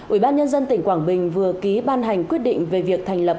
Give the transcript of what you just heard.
ủy ban nhân dân tỉnh quảng bình vừa ký ban hành quyết định về việc thành lập